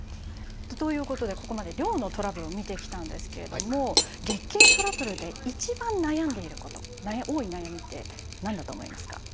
ということでここまで量のトラブルを見てきたんですけれども月経トラブルで一番悩んでいること多い悩みって何だと思いますか？